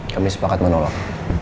kami sepakat menolak